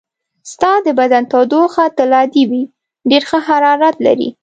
ستا د بدن تودوخه تل عادي وي، ډېر ښه حرارت لرې.